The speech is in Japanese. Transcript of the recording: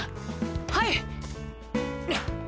はい！